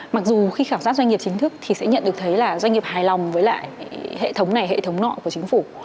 mặc dù khi khảo sát doanh nghiệp chính thức thì sẽ nhận được thấy là doanh nghiệp hài lòng với lại hệ thống này hệ thống nọ của chính phủ